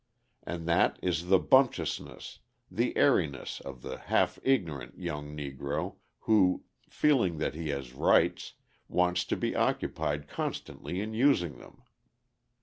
And that is the bumptiousness, the airiness, of the half ignorant young Negro, who, feeling that he has rights, wants to be occupied constantly in using them.